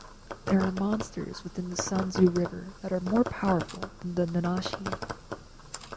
The are monsters within the Sanzu River that are more powerful than the Nanashi.